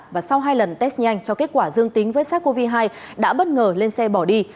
và sau hai lần test nhanh cho kết quả dương tính với sars cov hai đã bất ngờ lên xe bỏ đi